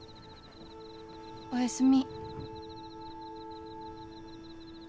おやすみ。